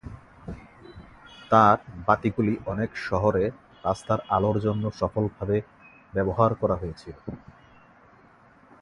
তাঁর বাতিগুলি অনেক শহরে রাস্তার আলোর জন্য সফলভাবে ব্যবহার করা হয়েছিল।